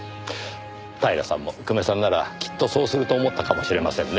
平さんも久米さんならきっとそうすると思ったかもしれませんね。